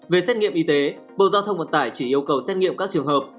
về xét nghiệm y tế bộ giao thông vận tải chỉ yêu cầu xét nghiệm các trường hợp